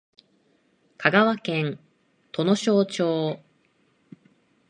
香川県土庄町